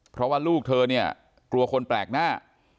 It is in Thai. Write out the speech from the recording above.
เพราะว่าลูกเธอเนี่ยกลัวคนแปลกหน้า